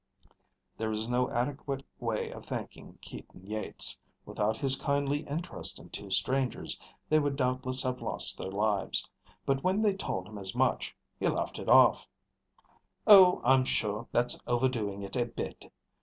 There was no adequate way of thanking Keaton Yeats. Without his kindly interest in two strangers, they would doubtless have lost their lives. But when they told him as much, he laughed it off. "Oh, I'm sure that's overdoing it a bit.